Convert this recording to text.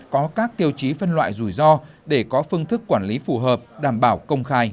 có các tiêu chí phân loại rủi ro để có phương thức quản lý phù hợp đảm bảo công khai